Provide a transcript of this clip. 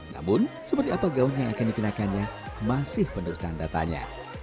namun seperti apa gaun yang akan dikenakannya masih menurut tanda tanya